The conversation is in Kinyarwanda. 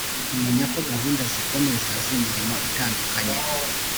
kumenya ko gahunda zikomeza z’imirimo itandukanye